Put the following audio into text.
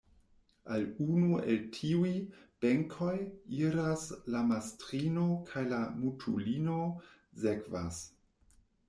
Al unu el tiuj benkoj iras la mastrino kaj la mutulino sekvas.